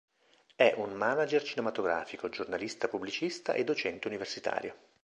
È un manager cinematografico, giornalista pubblicista e docente universitario.